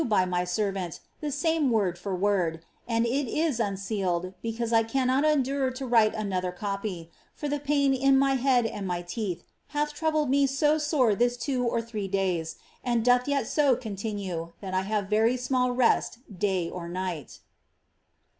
by my serTant, the «ame word fee word : and it is unsealed, bet^use I cannot endure to write another copy, for the pain in my heail and my teeth haih troubled me to fore this two or three da/% and doth yet so continue, that I have very smaH rest day or night.